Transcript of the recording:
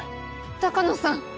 鷹野さん